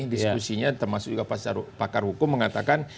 diskusinya termasuk juga pakar hukum mengatakan